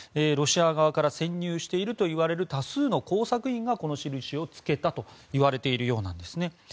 ロシア側から潜入しているといわれる多数の工作員がこの印をつけたといわれているようです。